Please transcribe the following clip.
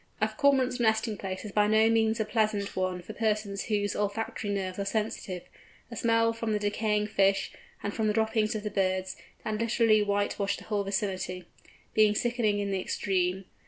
A Cormorant's nesting place is by no means a pleasant one for persons whose olfactory nerves are sensitive, the smell from the decaying fish, and from the droppings of the birds, that literally whitewash the whole vicinity, being sickening in the extreme.